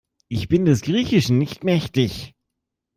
Ich bin des Griechischen nicht mächtig.